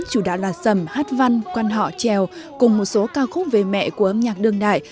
chủ đạo là sầm hát văn quan họ trèo cùng một số ca khúc về mẹ của âm nhạc đương đại